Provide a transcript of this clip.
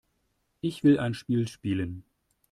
Ich will ein Spiel spielen.